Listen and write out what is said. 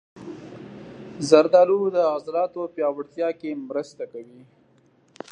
زردالو د عضلاتو پیاوړتیا کې مرسته کوي.